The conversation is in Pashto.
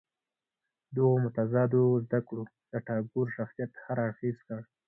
دغو متضادو زده کړو د ټاګور شخصیت هر اړخیز کړ.